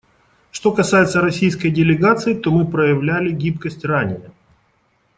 Что касается российской делегации, то мы проявляли гибкость ранее.